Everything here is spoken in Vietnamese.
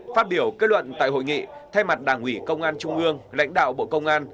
phát biểu kết luận tại hội nghị thay mặt đảng ủy công an trung ương lãnh đạo bộ công an